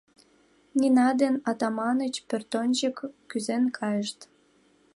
Нина ден Атаманыч пӧртӧнчык кӱзен кайышт.